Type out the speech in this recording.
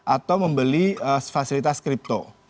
atau membeli fasilitas kripto